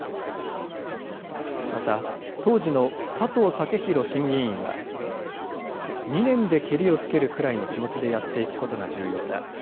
また当時の佐藤健裕審議委員は２年でけりをつけるくらいの気持ちでやっていくことが重要だ。